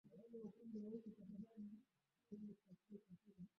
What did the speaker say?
nazar kama hirizi Wazazi huweka macho kwa watoto wao